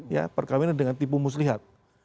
ya perkawinan dengan tipu muslihat